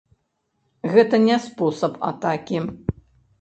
Гэта не спосаб атакі.